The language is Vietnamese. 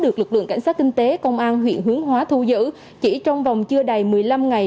được lực lượng cảnh sát kinh tế công an huyện hướng hóa thu giữ chỉ trong vòng chưa đầy một mươi năm ngày